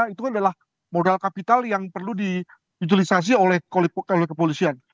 itu kan adalah modal kapital yang perlu diutalisasi oleh kepolisian